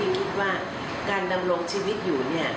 คิดว่าการดำรงชีวิตอยู่เนี่ย